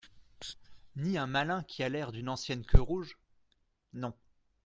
Ni un malin qui a l'air d'une ancienne queue-rouge ? Non.